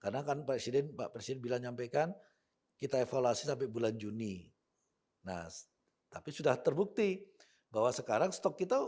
dan presiden mbak presiden bilang nyampaikan kita evaluasi sampai bulan juni nah tapi sudah terbukti bahwa sekarang stok kita